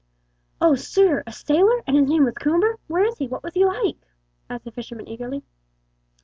"Oh, sir, a sailor, and his name was Coomber! Where is he? What was he like?" asked the fisherman, eagerly.